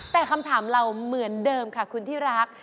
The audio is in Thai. แต่คำถามเราเหมือนเดิมค่ะคุณที่รัก